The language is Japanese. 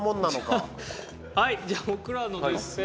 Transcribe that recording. はいじゃあ僕らのです。